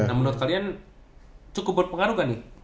nah menurut kalian cukup berpengaruh gak nih